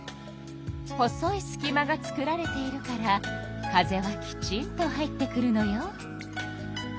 細いすき間が作られているから風はきちんと入ってくるのよ。